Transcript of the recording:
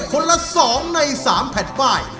คนละ๒ใน๓แผ่นป้าย